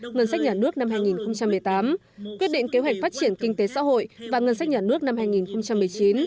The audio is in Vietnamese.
ngân sách nhà nước năm hai nghìn một mươi tám quyết định kế hoạch phát triển kinh tế xã hội và ngân sách nhà nước năm hai nghìn một mươi chín